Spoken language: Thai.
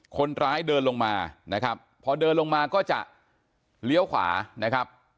คนร้ายเดินลงมานะครับพอเดินลงมาก็จะเลี้ยวขวานะครับ